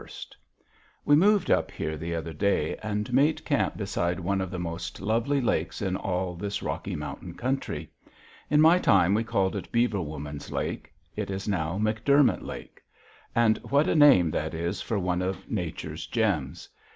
_ We moved up here the other day and made camp beside one of the most lovely lakes in all this Rocky Mountain country. In my time we called it Beaver Woman's Lake. It is now McDermott Lake. And what a name that is for one of Nature's gems!